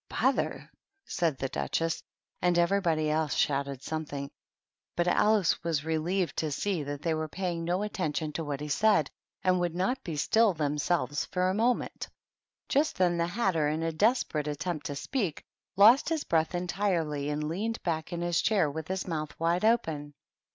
"Bother!" said the Duchess, and everybody else shouted something ; but Alice was relieved to THE TEA TABLE. 67 see that they were paying no attention to what he said and would not be still themselves for a mo ment. Just then the Hatter, in a desperate at tempt to speak, lost his breath entirely and leaned back in his chair with his mouth wide open.